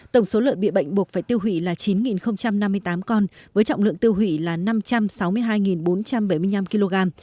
tổng số lợi bị bệnh buộc phải tiêu hủy là chín năm mươi tám con với trọng lượng tiêu hủy là năm trăm sáu mươi hai bốn trăm bảy mươi năm kg